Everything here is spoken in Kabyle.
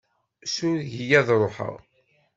Sureg-iyi ad ṛuḥeɣ.